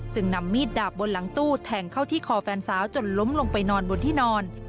นำมีดดาบบนหลังตู้แทงเข้าที่คอแฟนสาวจนล้มลงไปนอนบนที่นอน